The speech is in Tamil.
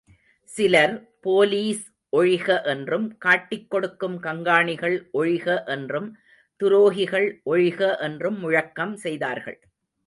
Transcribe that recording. சிலர் போலீஸ் ஒழிக என்றும் காட்டிக் கொடுக்கும் கங்காணிகள் ஒழிக என்றும் துரோகிகள் ஒழிக என்றும் முழக்கம் செய்தார்கள்.